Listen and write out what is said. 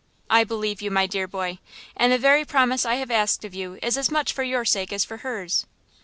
"I believe you, my dear boy. And the very promise I have asked of you is as much for your sake as for hers.